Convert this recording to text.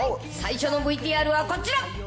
最初のＶＴＲはこちら。